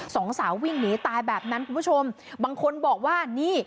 สองสาววิ่งหนีตายแบบนั้นคุณผู้ชมบางคนบอกว่านี่